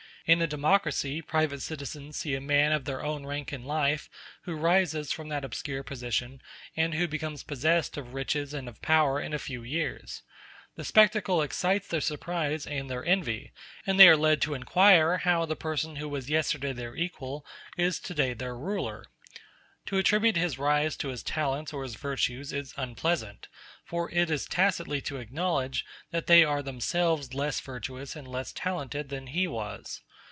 In a democracy private citizens see a man of their own rank in life, who rises from that obscure position, and who becomes possessed of riches and of power in a few years; the spectacle excites their surprise and their envy, and they are led to inquire how the person who was yesterday their equal is to day their ruler. To attribute his rise to his talents or his virtues is unpleasant; for it is tacitly to acknowledge that they are themselves less virtuous and less talented than he was.